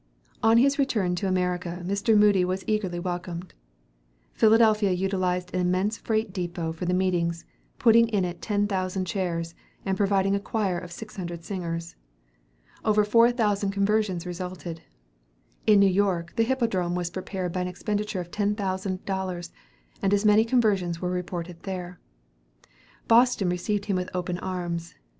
On his return to America, Mr. Moody was eagerly welcomed. Philadelphia utilized an immense freight depot for the meetings, putting in it ten thousand chairs, and providing a choir of six hundred singers. Over four thousand conversions resulted. In New York the Hippodrome was prepared by an expenditure of ten thousand dollars, and as many conversions were reported here. Boston received him with open arms.